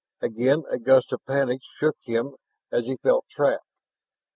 Again a gust of panic shook him as he felt trapped.